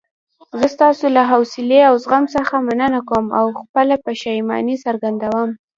زه ستاسو له حوصلې او زغم څخه مننه کوم او خپله پښیماني څرګندوم.